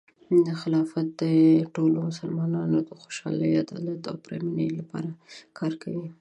خلافت د ټولو مسلمانانو د خوشحالۍ، عدالت، او پرامنۍ لپاره کار کوي.